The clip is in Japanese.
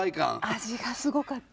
味がすごかった。